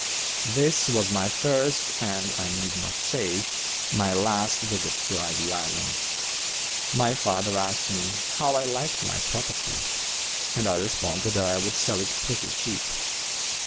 This was my first, and, I need not say, my last visit to "Ivy Island." My father asked me "how I liked my property?" and I responded that I would sell it pretty cheap.